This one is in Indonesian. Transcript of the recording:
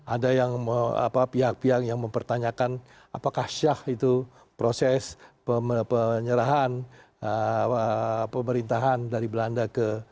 ada pihak pihak yang mempertanyakan apakah syah itu proses penyerahan pemerintahan dari belanda ke